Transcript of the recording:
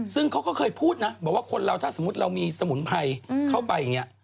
ซึ่งเขาก็เคยพูดนะบอกว่าคนเราถ้าสมมุติเรามีสมุนไพรเข้าไปอย่างนี้